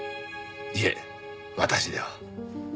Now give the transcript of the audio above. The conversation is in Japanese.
いえ私では。